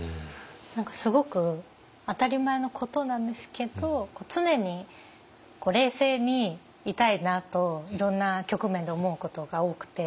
何かすごく当たり前のことなんですけど常に冷静にいたいなといろんな局面で思うことが多くて。